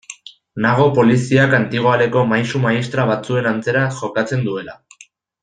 Nago poliziak antigoaleko maisu-maistra batzuen antzera jokatzen duela.